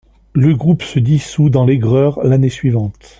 Le groupe se dissout dans l'aigreur l'année suivante.